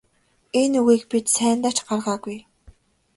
Энэ үгийг бид сайндаа ч гаргаагүй.